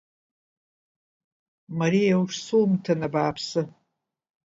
Мариа уҽсумҭан абааԥсы!